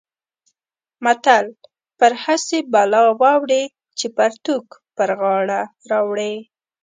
متل: پر هسې بلا واوړې چې پرتوګ پر غاړه راوړې.